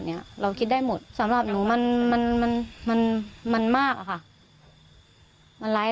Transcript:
เนี้ยเราคิดได้หมดสำหรับหนูมันมันมากอะค่ะมันร้าย